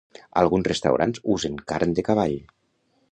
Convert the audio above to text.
Alguns restaurants usen carn de cavall.